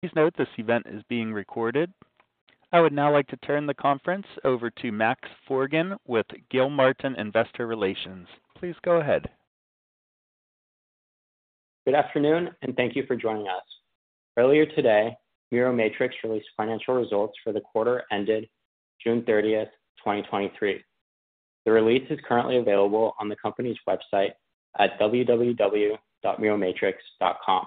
Please note this event is being recorded. I would now like to turn the conference over to Max Forgan with Gilmartin Investor Relations. Please go ahead. Good afternoon, and thank you for joining us. Earlier today, Miromatrix released financial results for the quarter ended June 30th, 2023. The release is currently available on the company's website at www.miromatrix.com.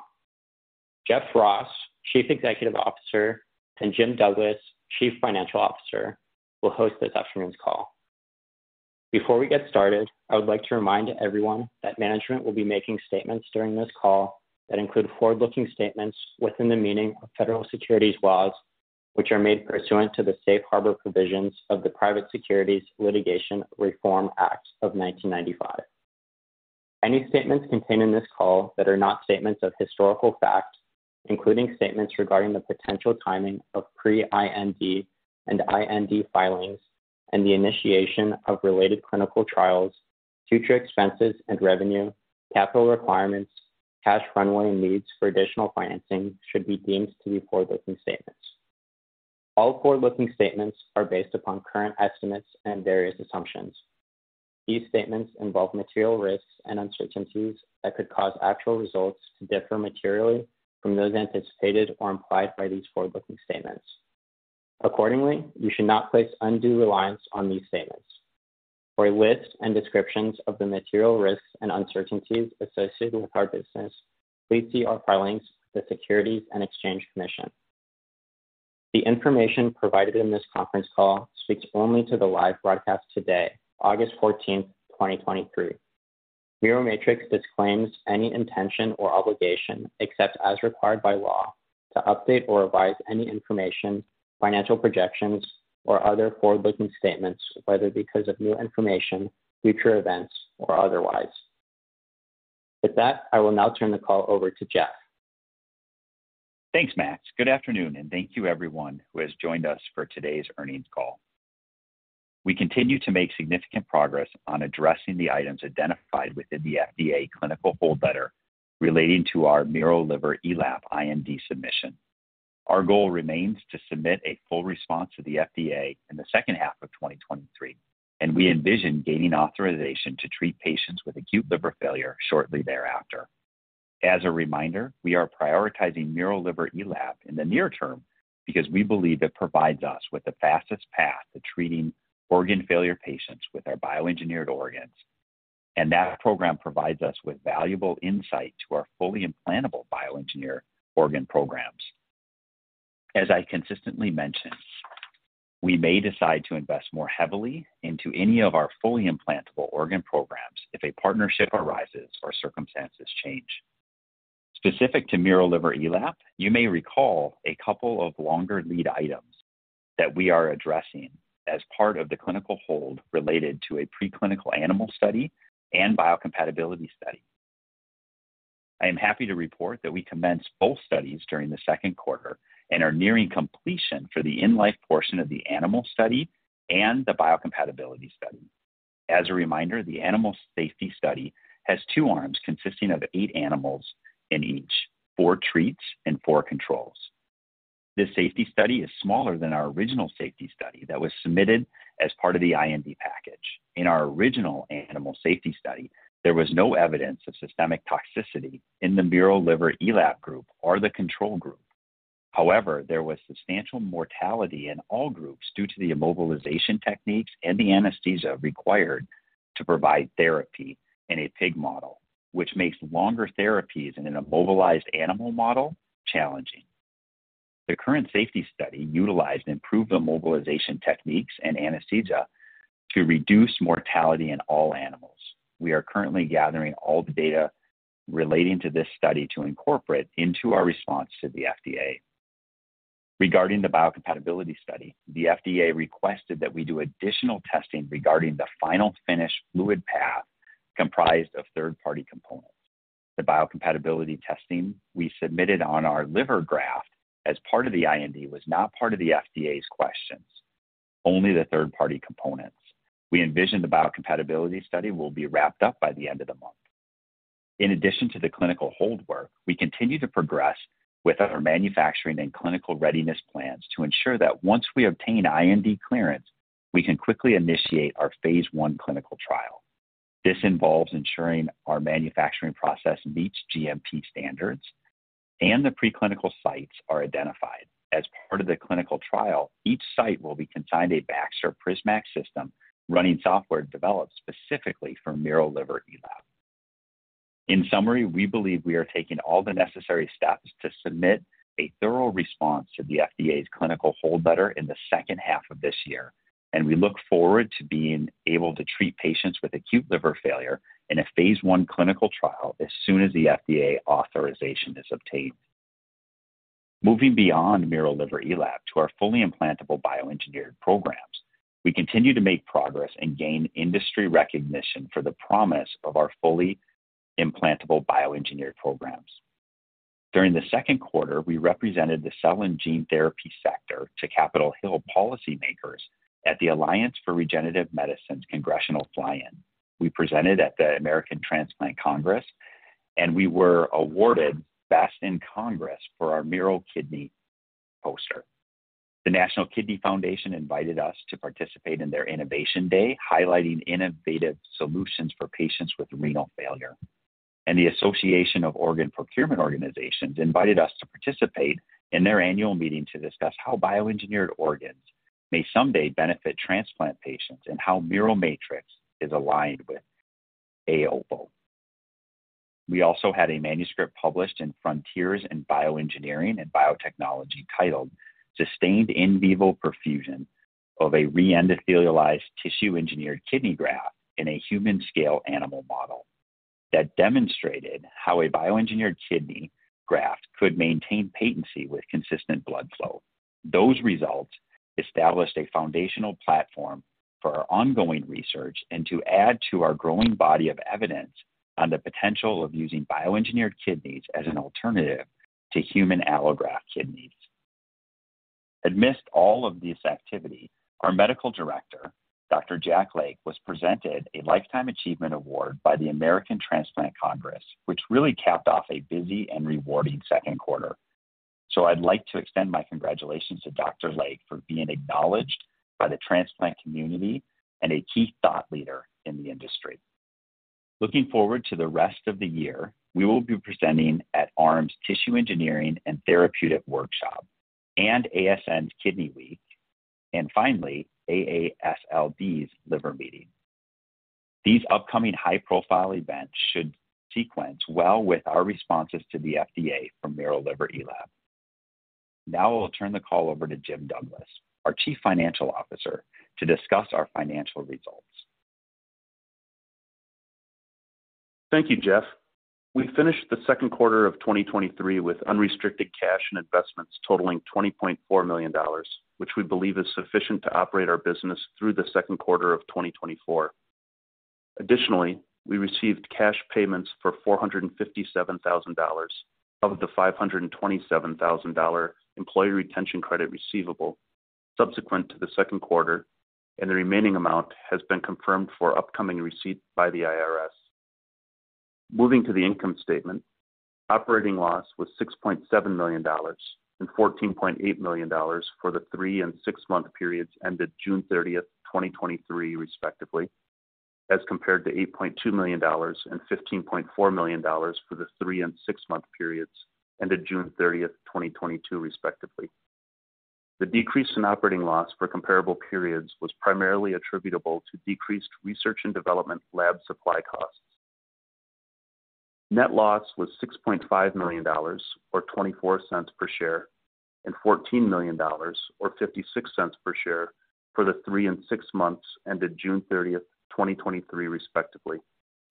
Jeff Ross, Chief Executive Officer, and Jim Douglas, Chief Financial Officer, will host this afternoon's call. Before we get started, I would like to remind everyone that management will be making statements during this call that include forward-looking statements within the meaning of federal securities laws, which are made pursuant to the Safe Harbor Provisions of the Private Securities Litigation Reform Act of 1995. Any statements contained in this call that are not statements of historical fact, including statements regarding the potential timing of pre-IND and IND filings and the initiation of related clinical trials, future expenses and revenue, capital requirements, cash runway, and needs for additional financing, should be deemed to be forward-looking statements. All forward-looking statements are based upon current estimates and various assumptions. These statements involve material risks and uncertainties that could cause actual results to differ materially from those anticipated or implied by these forward-looking statements. Accordingly, you should not place undue reliance on these statements. For a list and descriptions of the material risks and uncertainties associated with our business, please see our filings with the Securities and Exchange Commission. The information provided in this conference call speaks only to the live broadcast today, August 14, 2023. Miromatrix disclaims any intention or obligation, except as required by law, to update or revise any information, financial projections, or other forward-looking statements, whether because of new information, future events, or otherwise. With that, I will now turn the call over to Jeff. Thanks, Max. Good afternoon, and thank you everyone who has joined us for today's earnings call. We continue to make significant progress on addressing the items identified within the FDA clinical hold letter relating to our miroliverELAP IND submission. Our goal remains to submit a full response to the FDA in the second half of 2023, and we envision gaining authorization to treat patients with acute liver failure shortly thereafter. As a reminder, we are prioritizing miroliverELAP in the near term because we believe it provides us with the fastest path to treating organ failure patients with our bioengineered organs, and that program provides us with valuable insight to our fully implantable bioengineered organ programs. As I consistently mention, we may decide to invest more heavily into any of our fully implantable organ programs if a partnership arises or circumstances change. Specific to miroliverELAP, you may recall a couple of longer lead items that we are addressing as part of the clinical hold related to a preclinical animal study and biocompatibility study. I am happy to report that we commenced both studies during the second quarter and are nearing completion for the in-life portion of the animal study and the biocompatibility study. As a reminder, the animal safety study has two arms consisting of eight animals in each, four treats and four controls. This safety study is smaller than our original safety study that was submitted as part of the IND package. In our original animal safety study, there was no evidence of systemic toxicity in the miroliverELAP group or the control group. However, there was substantial mortality in all groups due to the immobilization techniques and the anesthesia required to provide therapy in a pig model, which makes longer therapies in an immobilized animal model challenging. The current safety study utilized improved immobilization techniques and anesthesia to reduce mortality in all animals. We are currently gathering all the data relating to this study to incorporate into our response to the FDA. Regarding the biocompatibility study, the FDA requested that we do additional testing regarding the final finished fluid path comprised of third-party components. The biocompatibility testing we submitted on our liver graft as part of the IND was not part of the FDA's questions, only the third-party components. We envision the biocompatibility study will be wrapped up by the end of the month. In addition to the clinical hold work, we continue to progress with our manufacturing and clinical readiness plans to ensure that once we obtain IND clearance, we can quickly initiate our phase 1 clinical trial. This involves ensuring our manufacturing process meets GMP standards and the preclinical sites are identified. As part of the clinical trial, each site will be consigned a Baxter PrisMax system running software developed specifically for miroliverELAP. In summary, we believe we are taking all the necessary steps to submit a thorough response to the FDA's clinical hold letter in the second half of this year. We look forward to being able to treat patients with acute liver failure in a phase I clinical trial as soon as the FDA authorization is obtained. Moving beyond miroliverELAP to our fully implantable bioengineered programs, we continue to make progress and gain industry recognition for the promise of our fully implantable bioengineered programs. During the second quarter, we represented the cell and gene therapy sector to Capitol Hill policymakers at the Alliance for Regenerative Medicine's Congressional Fly-In. We presented at the American Transplant Congress, and we were awarded Best in Congress for our mirokidney poster. The National Kidney Foundation invited us to participate in their Innovation Day, highlighting innovative solutions for patients with renal failure. The Association of Organ Procurement Organizations invited us to participate in their annual meeting to discuss how bioengineered organs may someday benefit transplant patients and how Miromatrix is aligned with AOPO. We also had a manuscript published in Frontiers in Bioengineering and Biotechnology titled Sustained in vivo perfusion of a re-endothelialized tissue engineered kidney graft in a human-scale animal model, that demonstrated how a bioengineered kidney graft could maintain patency with consistent blood flow. Those results established a foundational platform for our ongoing research and to add to our growing body of evidence on the potential of using bioengineered kidneys as an alternative to human allograft kidneys. Amidst all of this activity, our medical director, Dr. Jack Lake, was presented a Lifetime Achievement Award by the American Transplant Congress, which really capped off a busy and rewarding second quarter. I'd like to extend my congratulations to Dr. Lake for being acknowledged by the transplant community and a key thought leader in the industry. Looking forward to the rest of the year, we will be presenting at ARM's Tissue Engineering and Therapeutics Workshop and ASN's Kidney Week, and finally, AASLD's Liver Meeting. These upcoming high-profile events should sequence well with our responses to the FDA from miroliverELAP. Now I will turn the call over to Jim Douglas, our Chief Financial Officer, to discuss our financial results. Thank you, Jeff. We finished the second quarter of 2023 with unrestricted cash and investments totaling $20.4 million, which we believe is sufficient to operate our business through the second quarter of 2024. Additionally, we received cash payments for $457,000 of the $527,000 Employee Retention Credit receivable subsequent to the second quarter, and the remaining amount has been confirmed for upcoming receipt by the IRS. Moving to the income statement, operating loss was $6.7 million and $14.8 million for the three and six-month periods ended June 30, 2023, respectively, as compared to $8.2 million and $15.4 million for the three and six-month periods ended June 30, 2022, respectively. The decrease in operating loss for comparable periods was primarily attributable to decreased research and development lab supply costs. Net loss was $6.5 million, or $0.24 per share, and $14 million, or $0.56 per share, for the three and six months ended June 30th, 2023, respectively,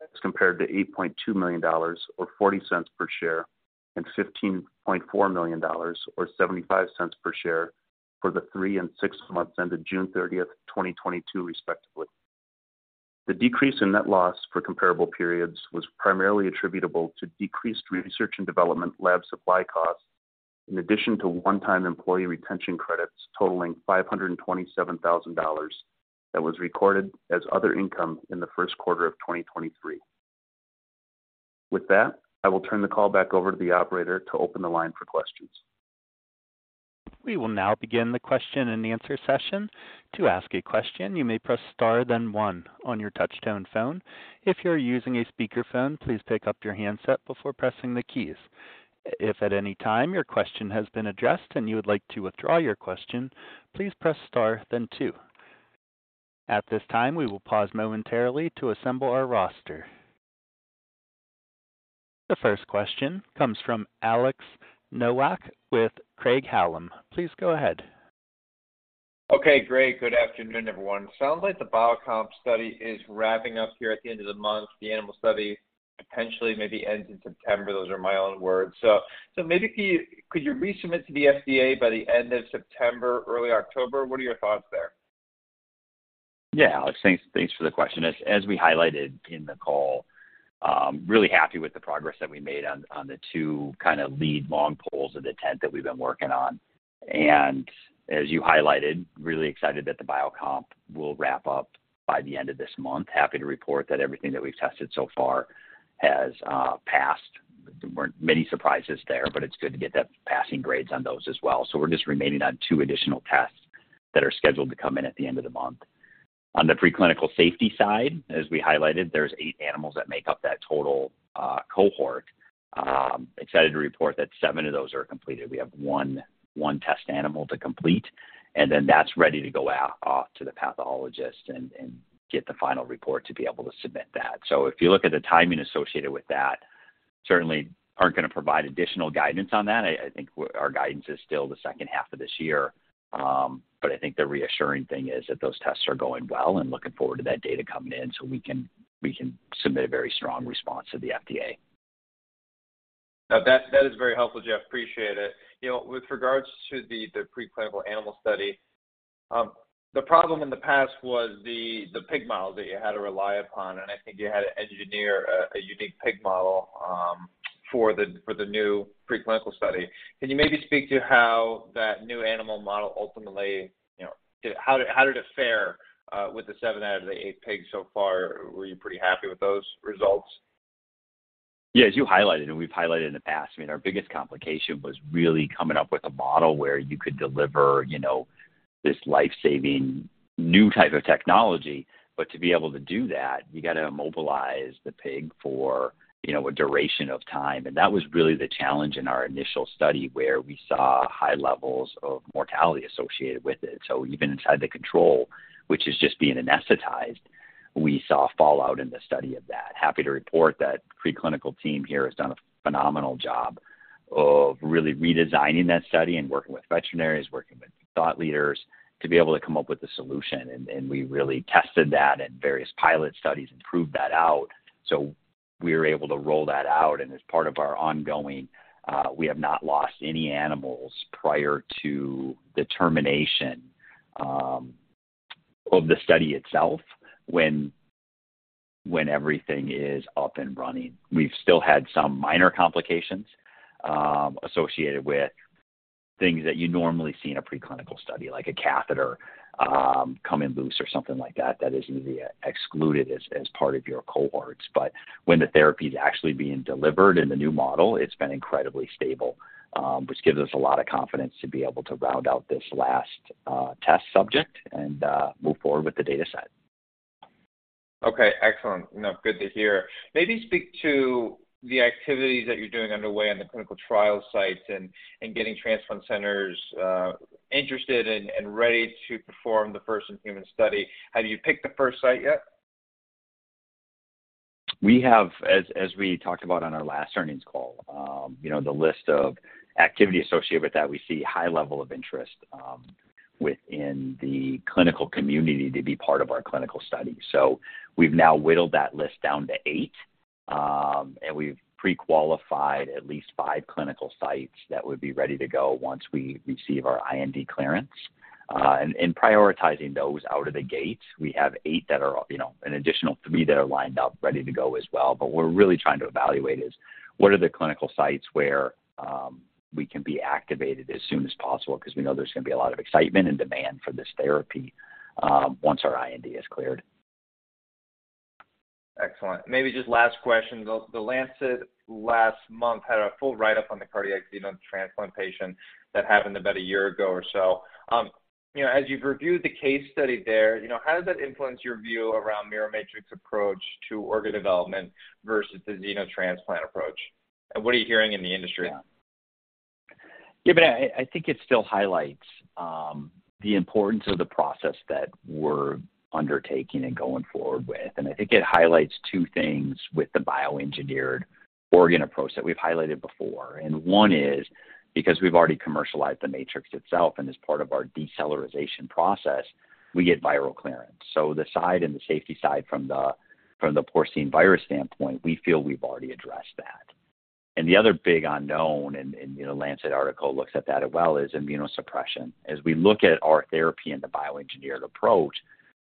as compared to $8.2 million, or $0.40 per share, and $15.4 million, or $0.75 per share, for the three and six months ended June 30th, 2022, respectively. The decrease in net loss for comparable periods was primarily attributable to decreased research and development lab suppy costs, in addition to one-time Employee Retention Credit totaling $527,000 that was recorded as other income in the first quarter of 2023. With that, I will turn the call back over to the operator to open the line for questions. We will now begin the question-and-answer session. To ask a question, you may press star then one on your touchtone phone. If you are using a speakerphone, please pick up your handset before pressing the keys. If at any time your question has been addressed and you would like to withdraw your question, please press star then two. At this time, we will pause momentarily to assemble our roster. The first question comes from Alex Nowak with Craig-Hallum. Please go ahead. Okay, great. Good afternoon, everyone. Sounds like the biocomp study is wrapping up here at the end of the month. The animal study potentially maybe ends in September. Those are my own words. Maybe could you resubmit to the FDA by the end of September, early October? What are your thoughts there? Yeah, Alex, thanks-thanks for the question. As, as we highlighted in the call, really happy with the progress that we made on, on the two kind of lead long poles of the tent that we've been working on. As you highlighted, really excited that the biocomp will wrap up by the end of this month. Happy to report that everything that we've tested so far has passed. There weren't many surprises there, but it's good to get that passing grades on those as well. We're just remaining on two additional tests that are scheduled to come in at the end of the month. On the preclinical safety side, as we highlighted, there's eight animals that make up that total cohort. Excited to report that seven of those are completed. We have one, one test animal to complete, and then that's ready to go out to the pathologist and, and get the final report to be able to submit that. If you look at the timing associated with that, certainly aren't going to provide additional guidance on that. I, I think our guidance is still the second half of this year. I think the reassuring thing is that those tests are going well and looking forward to that data coming in so we can, we can submit a very strong response to the FDA. Now, that, that is very helpful, Jeff. Appreciate it. You know, with regards to the, the preclinical animal study, the problem in the past was the, the pig model that you had to rely upon, and I think you had to engineer a, a unique pig model for the, for the new preclinical study. Can you maybe speak to how that new animal model ultimately, you know, how did, how did it fare with the seven out of the eight pigs so far? Were you pretty happy with those results? Yeah, as you highlighted, and we've highlighted in the past, I mean, our biggest complication was really coming up with a model where you could deliver, you know, this life-saving new type of technology. To be able to do that, you got to immobilize the pig for, you know, a duration of time. That was really the challenge in our initial study, where we saw high levels of mortality associated with it. Even inside the control, which is just being anesthetized, we saw fallout in the study of that. Happy to report that preclinical team here has done a phenomenal job of really redesigning that study and working with veterinarians, working with thought leaders to be able to come up with a solution. We really tested that in various pilot studies and proved that out. We were able to roll that out, and as part of our ongoing, we have not lost any animals prior to the termination of the study itself when, when everything is up and running. We've still had some minor complications associated with things that you normally see in a preclinical study, like a catheter coming loose or something like that. That is usually excluded as, as part of your cohorts. When the therapy is actually being delivered in the new model, it's been incredibly stable, which gives us a lot of confidence to be able to round out this last test subject and move forward with the data set. Okay, excellent. No, good to hear. Maybe speak to the activities that you're doing underway on the clinical trial sites and, and getting transplant centers, interested and, and ready to perform the first in-human study. Have you picked the first site yet? We have, as we talked about on our last earnings call, you know, the list of activities associated with that. We see high level of interest within the clinical community to be part of our clinical study. We've now whittled that list down to eight, and we've pre-qualified at least five clinical sites that would be ready to go once we receive our IND clearance. In prioritizing those out of the gate, we have eight that are, you know, an additional three that are lined up ready to go as well. What we're really trying to evaluate is what are the clinical sites where we can be activated as soon as possible, because we know there's going to be a lot of excitement and demand for this therapy, once our IND is cleared. Excellent. Maybe just last question: The, The Lancet last month had a full write-up on the cardiac xenotransplant patient that happened about a year ago or so. you know, as you've reviewed the case study there, you know, how does that influence your view around Miromatrix's approach to organ development versus the xenotransplant approach? What are you hearing in the industry? I think it still highlights the importance of the process that we're undertaking and going forward with. I think it highlights two things with the bioengineered organ approach that we've highlighted before. One is because we've already commercialized the matrix itself, and as part of our decellularization process, we get viral clearance. The side and the safety side from the, from the porcine virus standpoint, we feel we've already addressed that. The other big unknown, and, you know, Lancet article looks at that as well, is immunosuppression. As we look at our therapy and the bioengineered approach,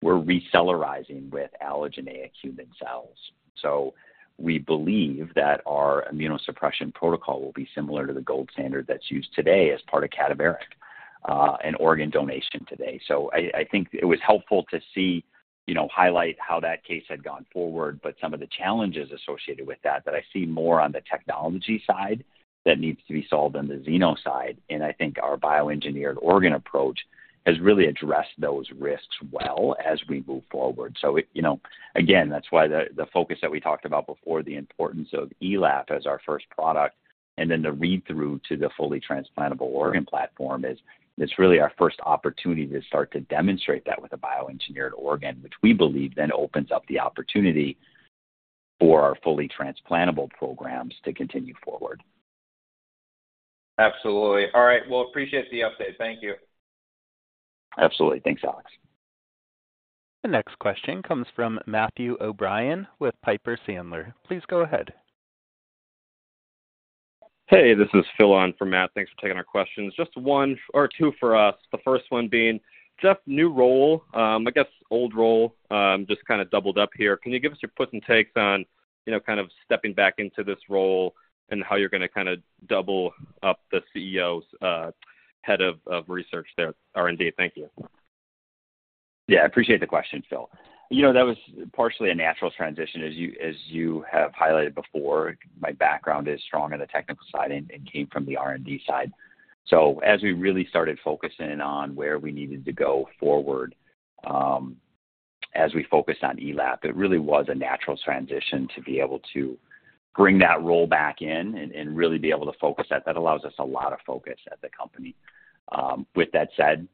we're recellularizing with allogeneic human cells. We believe that our immunosuppression protocol will be similar to the gold standard that's used today as part of cadaveric and organ donation today. I think it was helpful to see, you know, highlight how that case had gone forward, but some of the challenges associated with that, that I see more on the technology side that needs to be solved on the xeno side. I think our bioengineered organ approach has really addressed those risks well as we move forward. You know, again, that's why the, the focus that we talked about before, the importance of ELAP as our first product and then the read-through to the fully transplantable organ platform is it's really our first opportunity to start to demonstrate that with a bioengineered organ, which we believe then opens up the opportunity for our fully transplantable programs to continue forward. Absolutely. All right, well, appreciate the update. Thank you. Absolutely. Thanks, Alex. The next question comes from Matthew O'Brien with Piper Sandler. Please go ahead. Hey, this is Phil on for Matt. Thanks for taking our questions. Just one or two for us. The first one being, just new role, I guess old role, just kind of doubled up here. Can you give us your puts and takes on, you know, kind of stepping back into this role and how you're going to kind of double up the CEO's head of resaarch there? R&D. Thank you. Yeah, I appreciate the question, Phil. You know, that was partially a natural transition. As you, as you have highlighted before, my background is strong on the technical side and, and came from the R&D side. As we really started focusing in on where we needed to go forward, as we focused on ELAP, it really was a natural transition to be able to bring that role back in and, and really be able to focus. That, that allows us a lot of focus at the company. With that said,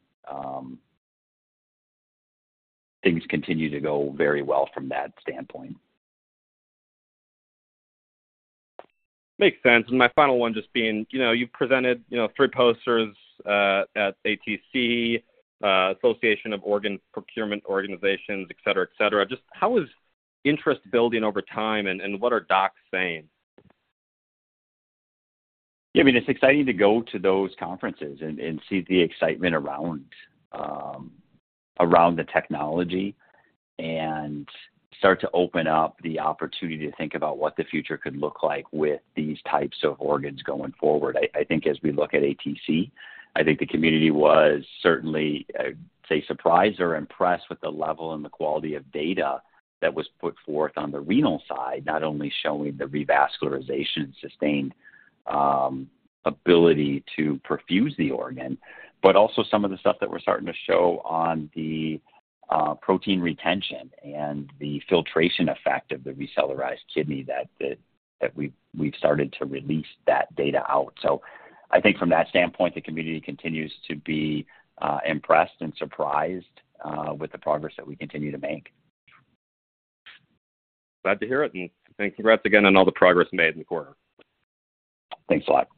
things continue to go very well from that standpoint. Makes sense. My final one, just being, you know, you've presented, you know, three posters, at ATC, Association of Organ Procurement Organizations, et cetera, et cetera. Just how is interest building over time, and, and what are docs saying? Yeah, I mean, it's exciting to go to those conferences and see the excitement around the technology and start to open up the opportunity to think about what the future could look like with these types of organs going forward. I, I think as we look at ATC, I think the community was certainly, say, surprised or impressed with the level and the quality of data that was put forth on the renal side. Not only showing the revascularization sustained ability to perfuse the organ, but also some of the stuff that we're starting to show on the protein retention and the filtration effect of the recellularized kidney that we've, we've started to release that data out. I think from that standpoint, the community continues to be impressed and surprised with the progress that we continue to make. Glad to hear it, thanks. Congrats again on all the progress made in the quarter. Thanks a lot.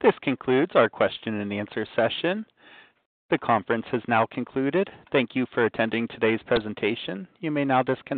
This concludes our question and answer session. The conference has now concluded. Thank you for attending today's presentation. You may now disconnect.